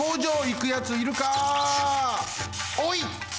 おい！